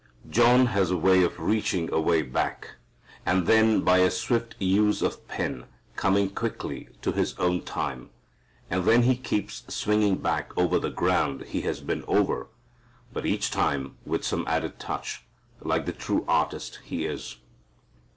John has a way of reaching away back, and then by a swift use of pen coming quickly to his own time, and then he keeps swinging back over the ground he has been over, but each time with some added touch, like the true artist he is.